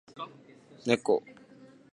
ねこ